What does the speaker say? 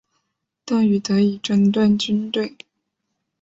邓禹得以整顿军队。